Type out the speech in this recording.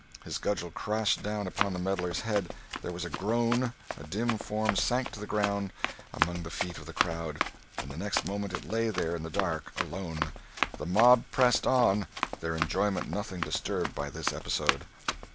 His cudgel crashed down upon the meddler's head: there was a groan, a dim form sank to the ground among the feet of the crowd, and the next moment it lay there in the dark alone. The mob pressed on, their enjoyment nothing disturbed by this episode.